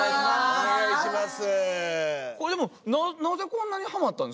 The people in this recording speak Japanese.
お願いします。